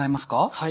はい。